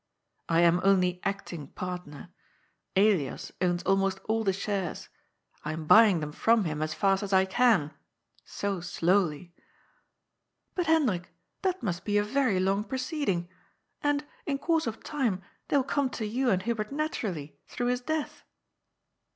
" I am only acting partner. Elias owns almost all the shares. I am buying them from him as fast as I can. So slowly !"" But, Hendrik, that must be a yery long proceeding. And, in course of time, they will come to you and Hubert naturally, through his death."